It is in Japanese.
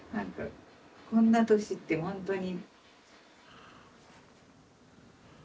こんな年ってほんとに。